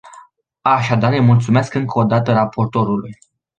Așadar, îi mulțumesc încă o dată raportorului.